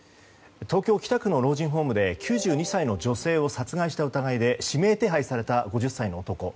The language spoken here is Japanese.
東京・北区の老人ホームで９２歳の女性を殺害した疑いで指名手配された５０歳の男。